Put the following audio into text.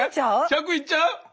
１００いっちゃう？